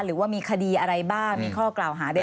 หรือว่ามีคดีอะไรบ้างมีข้อกล่าวหาใด